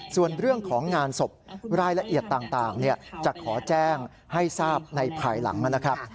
ส่วนเรื่องของงานศพรายละเอียดต่างจะขอแจ้งให้ทราบในภายหลังนะครับ